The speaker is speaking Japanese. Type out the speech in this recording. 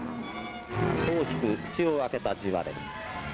大きく口を開けた地割れ。